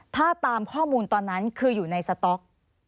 ถ้าตามข้อมูลตอนนั้นคืออยู่ในสต๊อก